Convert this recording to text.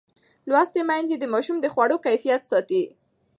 لوستې میندې د ماشوم د خوړو کیفیت ساتي.